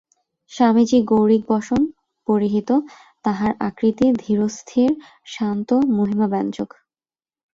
স্বামীজী গৈরিকবসন-পরিহিত, তাঁহার আকৃতি ধীর স্থির শান্ত মহিমাব্যঞ্জক।